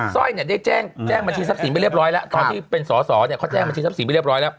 ร้อยเนี่ยได้แจ้งบัญชีทรัพย์สินไปเรียบร้อยแล้วตอนที่เป็นสอสอเนี่ยเขาแจ้งบัญชีทรัพสินไปเรียบร้อยแล้ว